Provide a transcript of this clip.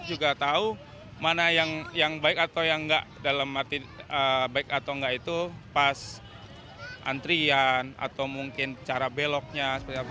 juga tahu mana yang baik atau yang enggak dalam arti baik atau enggak itu pas antrian atau mungkin cara beloknya seperti apa